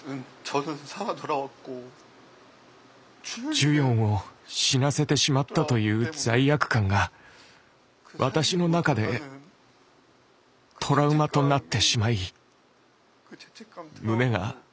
ジュヨンを死なせてしまったという罪悪感が私の中でトラウマとなってしまい胸が押し潰されそうになります。